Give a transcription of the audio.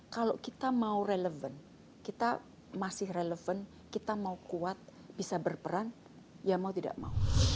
kalau kita mau relevan kita masih relevan kita mau kuat bisa berperan ya mau tidak mau